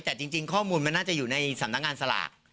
แต่จริงข้อมูลมันน่าจะอยู่ในสำนักงานสลาก